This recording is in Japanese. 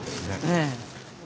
ええ。